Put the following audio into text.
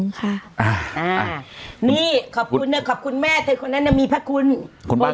นี่ขอบคุณนะขอบคุณแม่คนนั้นน่ะมีภาคคุณ